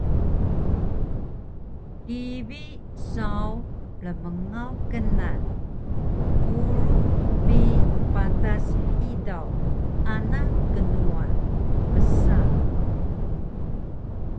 kibi saw rmngaw knan “purug bi patas hidaw ana knuwan” msa